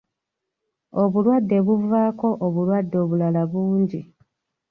Obulwadde buvaako obulwadde obulala bungi.